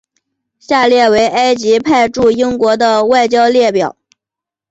下列为埃及派驻英国的外交代表。